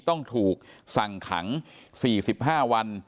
ต้องถูกสั่งขัง๔๕วัน